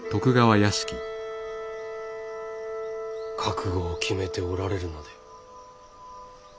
覚悟を決めておられるので？